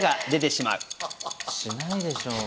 しないでしょう。